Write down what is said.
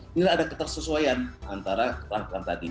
inilah ada ketersesuaian antara kelahiran tadi